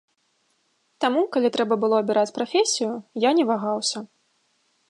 Таму, калі трэба было абіраць прафесію, я не вагаўся.